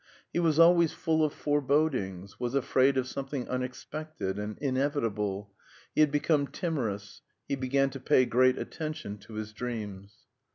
He was always full of forebodings, was afraid of something unexpected and inevitable; he had become timorous; he began to pay great attention to his dreams.